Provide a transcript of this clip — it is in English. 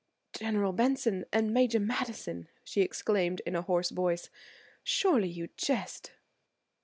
"General Benson and Major Madison!" she exclaimed in a hoarse voice, "surely you jest."